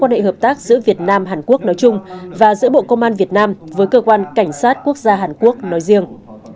quan hệ hợp tác giữa việt nam hàn quốc nói chung và giữa bộ công an việt nam với cơ quan cảnh sát quốc gia hàn quốc nói riêng